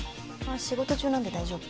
仕事中なんで大丈夫